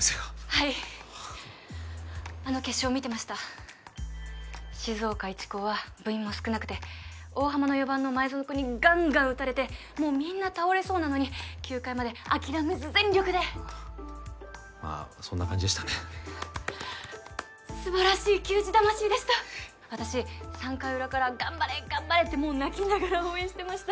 はいあの決勝見てました静岡一高は部員も少なくて大浜の４番の前園君にガンガン打たれてもうみんな倒れそうなのに９回まで諦めず全力であっまあそんな感じでしたね素晴らしい球児魂でした私３回裏から「頑張れ頑張れ！」ってもう泣きながら応援してました